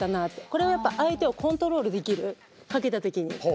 これはやっぱ相手をコントロールできる掛けた時に。